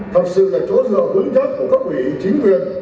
thật sự là chỗ dựa vững chắc của các vị chính quyền